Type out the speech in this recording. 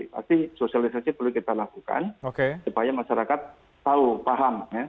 pasti sosialisasi perlu kita lakukan supaya masyarakat tahu paham